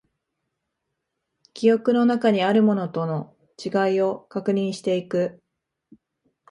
記憶の中にあるものとの違いを確認していく